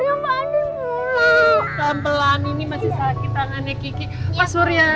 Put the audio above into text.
ayuh pelan pelan ini masih sakit tangannya kiki pak suri